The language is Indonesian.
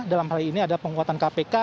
dalam hal ini ada penguatan kpk